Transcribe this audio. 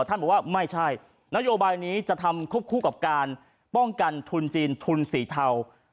ท่านบอกว่าไม่ใช่นโยบายนี้จะทำควบคู่กับการป้องกันทุนจีนทุนสีเทา